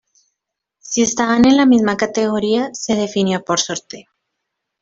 Si estaban en la misma categoría, se definió por sorteo.